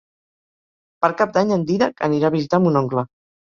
Per Cap d'Any en Dídac anirà a visitar mon oncle.